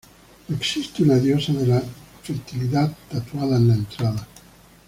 Existe una diosa de la fertilidad tatuada en la entrada.